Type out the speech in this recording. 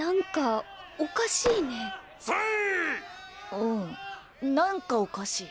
うんなんかおかしい。